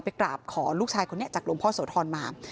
กราบขอลูกชายคนนี้จากหลวงพ่อโสธรมา